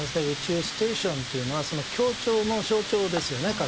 宇宙ステーションというのは協調の象徴ですよね